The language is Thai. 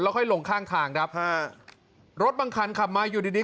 ค่อยลงข้างทางครับฮะรถบางคันขับมาอยู่ดีดี